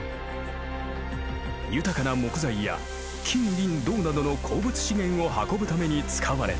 豊かな木材や金銀銅などの鉱物資源を運ぶために使われた。